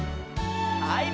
はい。